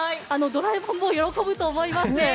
ドラえもんも喜ぶと思います。